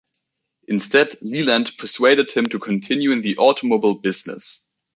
Instead, Leland persuaded them to continue in the automobile business.